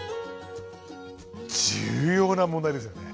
重要な問題ですよね。